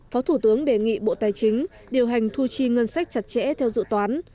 phó thủ tướng đề nghị bộ tài chính điều hành thu chi ngân sách chặt chẽ theo dự toán